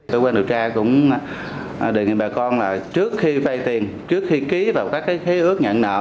cơ quan điều tra cũng đề nghị bà con là trước khi vay tiền trước khi ký vào các ký ức nhận nợ